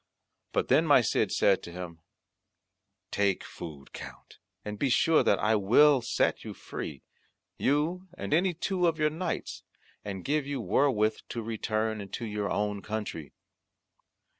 But then my Cid said to him, "Take food, Count, and be sure that I will set you free, you and any two of your knights, and give you wherewith to return into your own country."